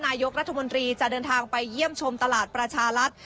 นายกรัฐมนตรีจะเดินทางไปเยี่ยมชมตลาดประชารัฐ